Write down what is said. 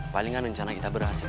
paling gak rencana kita berhasil